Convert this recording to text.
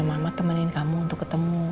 mama temenin kamu untuk ketemu